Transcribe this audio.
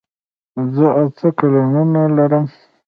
زه اته قلمونه لرم.